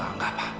oh enggak pak